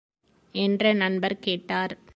என்று நண்பர் கேட்டார்.